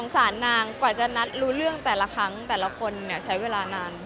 สารนางกว่าจะนัดรู้เรื่องแต่ละครั้งแต่ละคนเนี่ยใช้เวลานาน